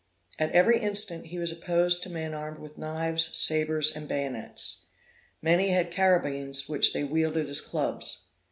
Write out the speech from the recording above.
At every instant he was opposed to men armed with knives, sabres and bayonets. Many had carabines which they wielded as clubs.